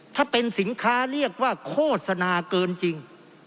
ถ้าเป็นสินค้าเรียกว่าโฆษณาเกินจริง